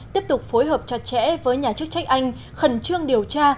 tiếp tục phối hợp chặt chẽ với nhà chức trách anh khẩn trương điều tra